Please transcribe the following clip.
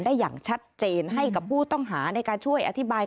อย่างชัดเจนให้กับผู้ต้องหาในการช่วยอธิบาย